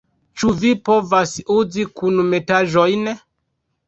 Ĉu vi povas uzi kunmetaĵojn?